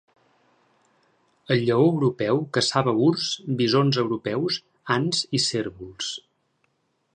El lleó europeu caçava urs, bisons europeus, ants i cérvols.